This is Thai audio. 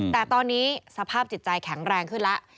แต่ตอนนี้สภาพจิตใจแข็งแรงขึ้นแล้ว